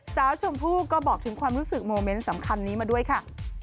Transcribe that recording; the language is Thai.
ชมพู่ก็บอกถึงความรู้สึกโมเมนต์สำคัญนี้มาด้วยค่ะ